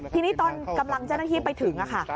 ทีนี้ตอนกำลังเจ้าหน้าที่ไปถึงค่ะ